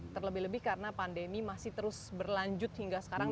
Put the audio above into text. terlebih lebih karena pandemi masih terus berlanjut hingga sekarang